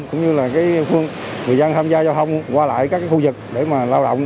cũng như phương người dân tham gia giao hông qua lại các khu vực để lao động